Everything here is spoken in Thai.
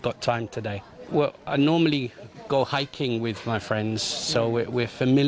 เราไม่ต้องพร้อมสถิติห้าม